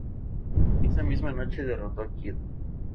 Esa misma noche derrotó a Kidd.